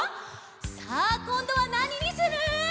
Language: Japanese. さあこんどはなににする？